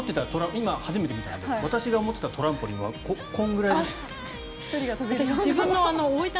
今、初めて見たので私が思っていたトランポリンはこのくらいでした。